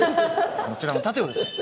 こちらの盾をですね